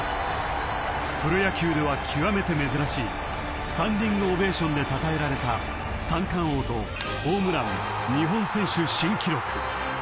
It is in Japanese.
［プロ野球では極めて珍しいスタンディングオベーションでたたえられた三冠王とホームラン日本選手新記録］